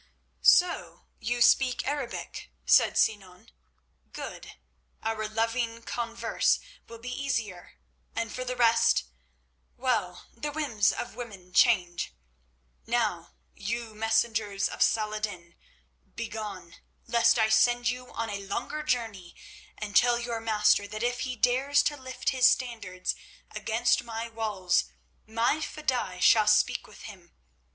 "So you speak Arabic," said Sinan. "Good; our loving converse will be easier, and for the rest—well, the whims of women change. Now, you messengers of Salah ed din, begone, lest I send you on a longer journey, and tell your master that if he dares to lift his standards against my walls my fedaïs shall speak with him.